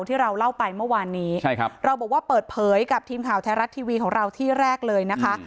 ที่เราเล่าไปเมื่อวานนี้ใช่ครับเราบอกว่าเปิดเผยกับทีมข่าวไทยรัฐทีวีของเราที่แรกเลยนะคะ